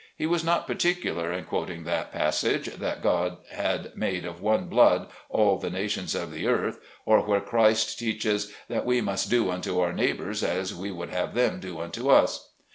He was not particular in quot ing that passage, that God had made of one blood all the nations of the earth, or where Christ teaches, " that we must do unto our neighbors as we would have them do unto us."